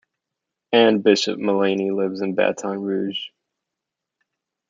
Ann Bishop Mullany lives in Baton Rouge.